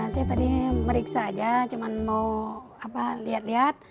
saya tadi meriksa aja cuma mau lihat lihat